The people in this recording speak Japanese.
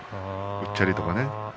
うっちゃりとか。